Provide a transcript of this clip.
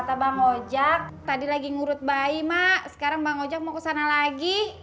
kata bang ojak tadi lagi ngurut bayi mak sekarang bang ojek mau ke sana lagi